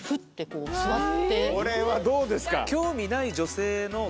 これはどうですか？